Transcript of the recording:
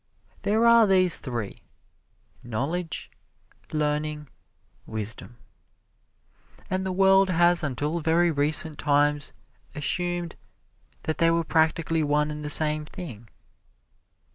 There are these three: Knowledge, Learning, Wisdom. And the world has until very recent times assumed that they were practically one and the same thing.